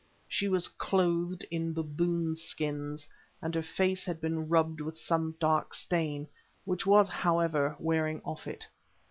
She was clothed in baboon skins, and her face had been rubbed with some dark stain, which was, however, wearing off it.